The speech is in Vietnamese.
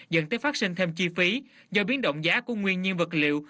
dẫn tới phát sinh thêm chi phí do biến động giá của nguyên nhiên vật liệu